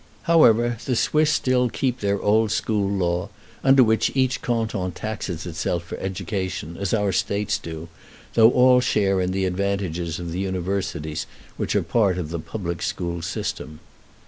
However, the Swiss still keep their old school law, under which each canton taxes itself for education, as our States do, though all share in the advantages of the universities, which are part of the public school system.